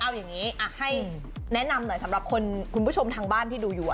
เอาอย่างนี้ให้แนะนำหน่อยสำหรับคุณผู้ชมทางบ้านที่ดูอยู่